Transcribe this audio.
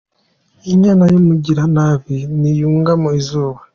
Inyana y’umugiranabi ntiyugama Izuba.